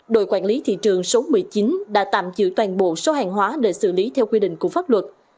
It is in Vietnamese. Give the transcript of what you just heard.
đội quản lý thị trường số một mươi chín đã tạm giữ toàn bộ số hàng hóa để xử lý theo quy định của pháp luật